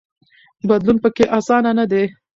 بدلون پکې اسانه نه دی.